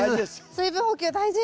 水分補給大事！